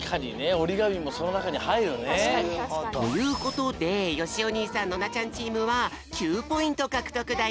おりがみもそのなかにはいるよね。ということでよしお兄さんノナちゃんチームは９ポイントかくとくだよ。